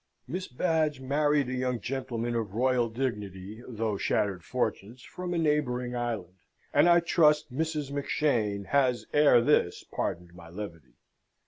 Miss Badge married a young gentleman of royal dignity, though shattered fortunes, from a neighbouring island; and I trust Mrs. Mackshane has ere this pardoned my levity.